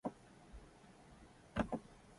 静寂を切り裂いて、幾つも声が生まれたよ